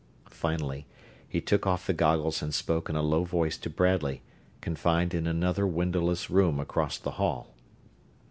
Finally, he took off the goggles and spoke in a low voice to Bradley, confined in another windowless room across the hall.